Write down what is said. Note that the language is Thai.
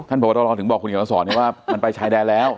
พบตรถึงบอกคุณเขียนมาสอนว่ามันไปชายแดนแล้ว